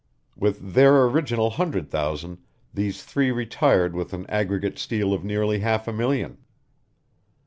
With their original hundred thousand these three retired with an aggregate steal of nearly half a million.